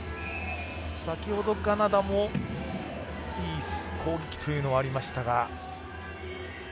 先ほど、カナダもいい攻撃というのはありました。